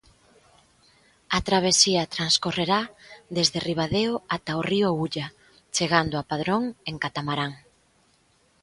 A travesía transcorrerá desde Ribadeo ata o río Ulla, chegando a Padrón en catamarán.